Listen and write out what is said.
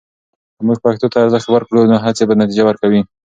که موږ پښتو ته ارزښت ورکړو، نو هڅې به نتیجه ورکوي.